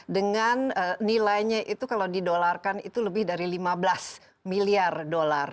dengan nilainya itu kalau didolarkan itu lebih dari lima belas miliar dolar